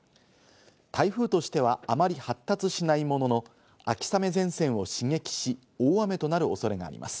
台風としてはあまり発達しないものの、秋雨前線を刺激し、大雨となる恐れがあります。